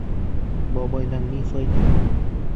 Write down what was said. Бабайҙан ни файҙа?